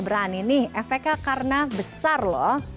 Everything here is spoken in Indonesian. berani nih efeknya karena besar loh